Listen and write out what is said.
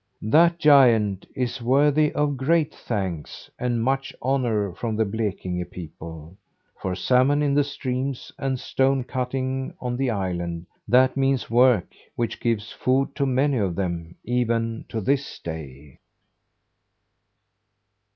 "That giant is worthy of great thanks and much honour from the Blekinge people; for salmon in the streams, and stone cutting on the island that means work which gives food to many of them even to this day."